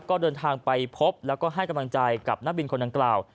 ก็เดินทางไปพบแล้วก็ให้กำลังใจกับนักบินคนดังกล่าว